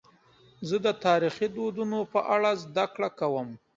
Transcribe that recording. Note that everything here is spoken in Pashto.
زه د تاریخي دودونو په اړه زدهکړه کوم.